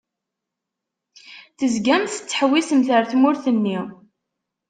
Tezgamt tettḥewwisemt ar tmurt-nni.